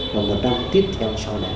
và một năm tiếp theo sau này